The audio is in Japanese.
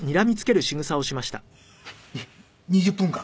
２０分間。